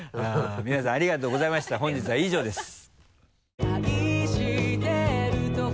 皆さんありがとうございました本日は以上です。